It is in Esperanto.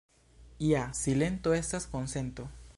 Ja silento estas konsento.